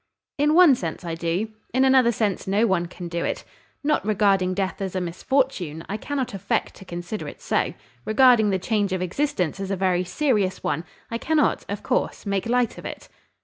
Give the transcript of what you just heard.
"In one sense I do; in another sense no one can do it. Not regarding death as a misfortune, I cannot affect to consider it so. Regarding the change of existence as a very serious one, I cannot, of course, make light of it."